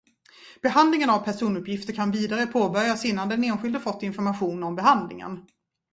Behandlingen av personuppgifter kan vidare påbörjas innan den enskilde fått information om behandlingen.